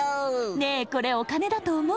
ねえこれお金だとおもう？